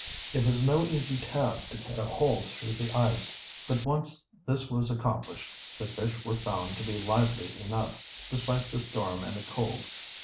It was no easy task to cut a hole through the ice, but once this was accomplished the fish were found to be lively enough, despite the storm and the cold.